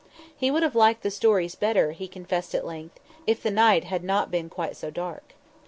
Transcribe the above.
He would have liked the stories better, he confessed at length, if the night had not been quite so dark.